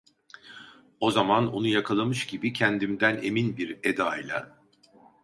O zaman onu yakalamış gibi kendimden emin bir edayla: